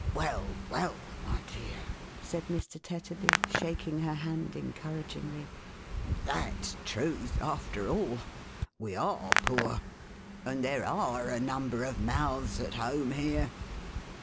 " Well, well, my dear," said Mr. Tetterby, shaking her hand encouragingly, " that's truth after all. We are poor, and there are a number of mouths at home here."